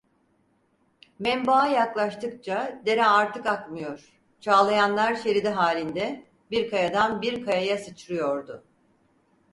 Menbaa yaklaştıkça dere artık akmıyor, çağlayanlar şeridi halinde, bir kayadan bir kayaya sıçrıyordu.